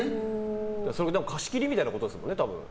それ貸し切りみたいなことですもんね。